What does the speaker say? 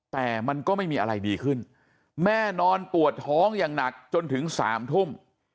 แต่มันก็ไม่มีอะไรดีขึ้นแม่นอนปวดท้องอย่างหนักจนถึง๓ทุ่ม